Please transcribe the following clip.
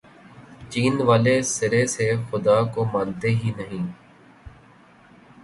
چین والے سرے سے خدا کو مانتے ہی نہیں۔